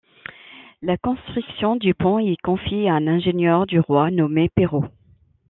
La construction du pont est confiée à un ingénieur du Roi nommé Peirault.